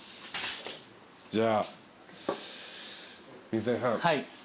じゃあ。